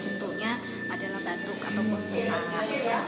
untuknya adalah batuk